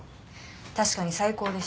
確かに最高でした。